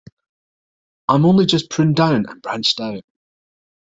I’m only just pruned down and branched out.